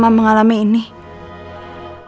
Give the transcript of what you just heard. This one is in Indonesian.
mbak benar benar akan buktiin semuanya sa